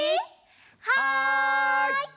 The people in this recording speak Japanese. はい！